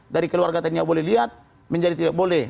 dari keluarga tadi yang boleh lihat menjadi tidak boleh